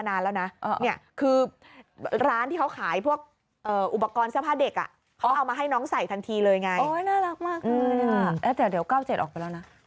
แต่เดี๋ยวก้าวเจ็ดออกไปแล้วนะ